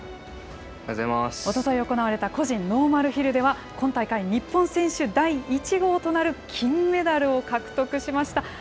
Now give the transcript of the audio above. おととい行われた個人ノーマルヒルでは、今大会日本選手第１号となる金メダルを獲得しました。